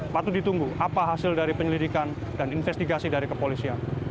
patut ditunggu apa hasil dari penyelidikan dan investigasi dari kepolisian